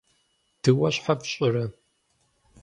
Дыуэ щхьэ фщӀырэ?